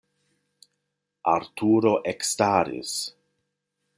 Arturo ekstaris.